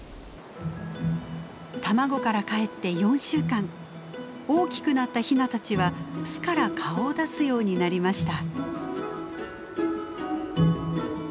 卵からかえって４週間大きくなったヒナたちは巣から顔を出すようになりました。